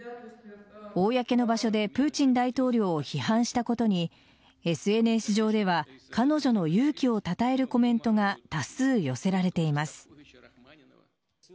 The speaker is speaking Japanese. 公の場所でプーチン大統領を批判したことにＳＮＳ上では彼女の勇気を称えるコメントが多数寄せられています。